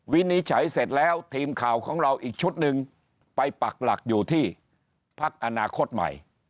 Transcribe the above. วินิจฉัยเสร็จแล้วทีมข่าวของเราอีกชุดหนึ่งไปปักหลักอยู่ที่พักอนาคตใหม่